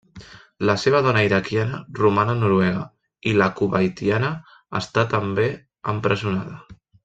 La seva dona iraquiana roman a Noruega i la kuwaitiana està també empresonada.